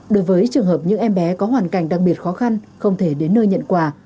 đối với trường hợp những em bé có hoàn cảnh đặc biệt khó khăn không thể đến nơi nhận quà